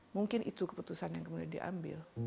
mungkin itu keputusan yang kemudian diambil